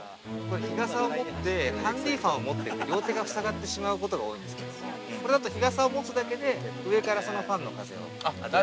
◆日傘を持って、ハンディファンを両手がふさがってしまうことが多いんですけど、これだと日傘を持つだけで、上からファンの風を。